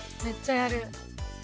めっちゃやる。